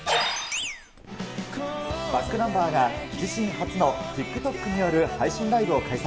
ｂａｃｋｎｕｍｂｅｒが、自身初のＴｉｋＴｏｋによる配信ライブを開催。